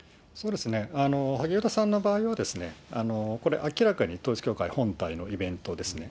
萩生田さんの場合は、これ、明らかに統一教会本体のイベントですね。